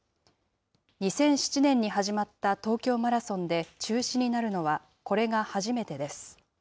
２００７年に始まった東京マラソンで中止になるのは、これが初めてです。